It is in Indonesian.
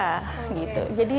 jadi sistemnya fair lah